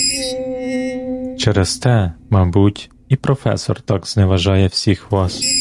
Через те, мабуть, і професор так зневажає всіх вас.